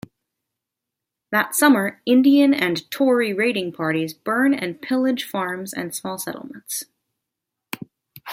That summer Indian and Tory raiding parties burn and pillage farms and small settlements.